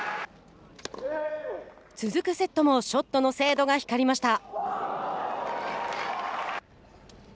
続くセットもショットの精度が光りました。